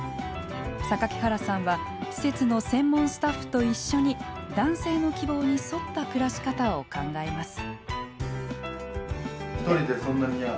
榊原さんは施設の専門スタッフと一緒に男性の希望に沿った暮らし方を考えます。